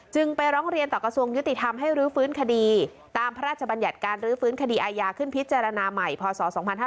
ไปร้องเรียนต่อกระทรวงยุติธรรมให้รื้อฟื้นคดีตามพระราชบัญญัติการรื้อฟื้นคดีอาญาขึ้นพิจารณาใหม่พศ๒๕๕๙